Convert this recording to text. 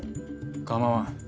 構わん。